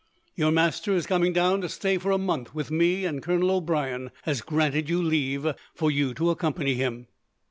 Your master is coming down to stay for a month with me, and Colonel O'Brien has granted leave for you to accompany him.'